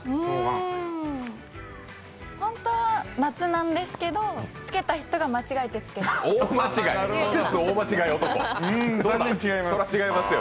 本当は夏なんですけど、つけた人が間違えてつけちゃった。